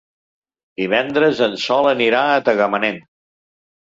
Divendres en Sol anirà a Tagamanent.